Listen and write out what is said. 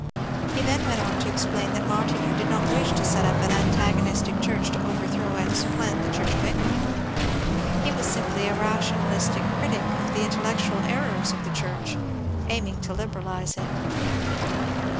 He then went on to explain that Martineau did not wish to set up an antagonistic church to overthrow and supplant the Church of England ; he was simply a rationalistic critic of the intel lectual errors of the church, aiming to liberalize it.